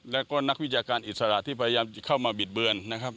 และก็นักวิจัยการอิสระที่พยายามเข้ามาบิดเบือน